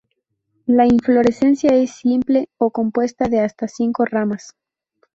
La inflorescencia es simple o compuesta de hasta cinco ramas.